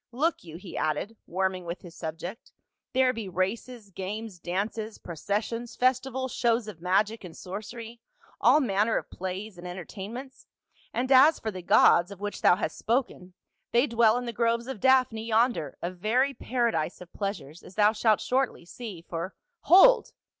Look you," he added, warming with his subject, " there be races, games, dances, processions, festivals, shows of magic and sorcery, all manner of plays and enter tainments ; and as for the gods, of which thou hast spoken, they dwell in the groves of Daphne yonder, a very paradise of pleasures, as thou shalt shortly see, for—" " Hold